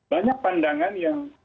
banyak pandangan yang